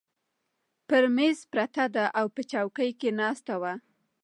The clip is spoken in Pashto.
پر مېز پرته ده، او په چوکۍ کې ناسته وه.